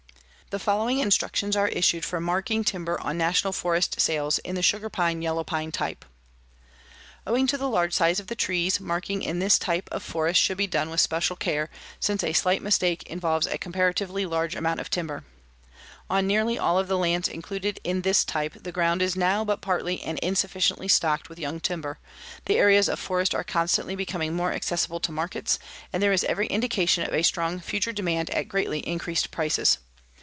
The following specific instructions are issued for marking timber on National Forest sales in the sugar pine yellow pine type: "Owing to the large size of the trees, marking in this type of forest should be done with special care, since a slight mistake involves a comparatively large amount of timber. "On nearly all of the lands included in this type the ground is now but partly and insufficiently stocked with young timber, the areas of forest are constantly becoming more accessible to markets, and there is every indication of a strong future demand at greatly increased prices.